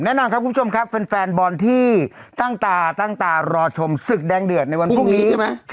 แน่นอนครับคุณผู้ชมครับแฟนบอลที่ตั้งตาตั้งตารอชมศึกแดงเดือดในวันพรุ่งนี้ใช่ไหม